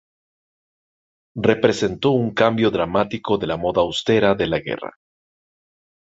Representó un cambio dramático de la moda austera de la guerra.